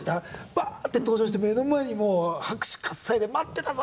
バーッて登場して目の前にもう拍手喝采で「待ってたぞ」